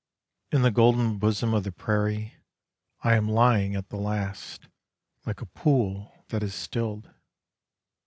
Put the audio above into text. In the golden bosom of the prairie, I am lying at the last Like a pool that is stilled.